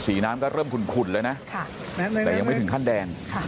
สีน้ำก็เริ่มขุ่นขุ่นเลยนะค่ะแม่งแต่ยังไม่ถึงขั้นแดง